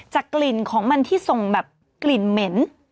กลิ่นของมันที่ส่งแบบกลิ่นเหม็น